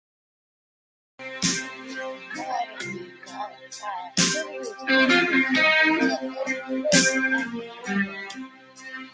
It is a moderately volatile colourless liquid with an unpleasant acrid odour.